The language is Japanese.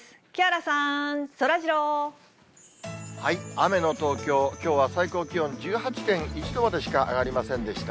雨の東京、きょうは最高気温１８．１度までしか上がりませんでした。